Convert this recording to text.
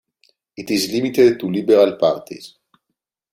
It is limited to liberal parties.